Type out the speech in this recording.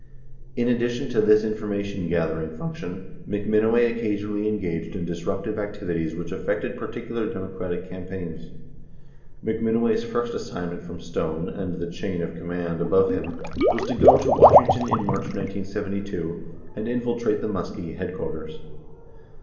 79 In addition to this information gathering function, McMinoway occasionally engaged in disruptive activities which affected particular Democratic campaigns. McMinoway's first assignment from Stone and the chain of com mand above him was to go to Wisconsin in March 1972, and infiltrate the Muskie headquarters.